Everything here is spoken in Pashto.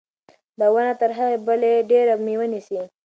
دا ونه تر هغې بلې ډېره مېوه نیسي.